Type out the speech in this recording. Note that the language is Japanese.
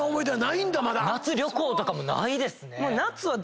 夏旅行とかもないですね。